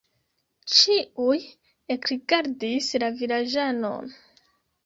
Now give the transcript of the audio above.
Ĉiuj ekrigardis la vilaĝanon.